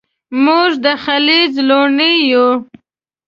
موږ د ختیځ لوڼې یو